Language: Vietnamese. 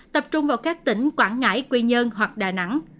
tập trung vào các tỉnh quảng ngãi quy nhơn hoặc đà nẵng